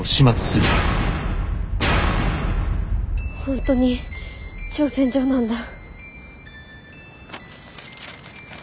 本当に挑戦状なんだ。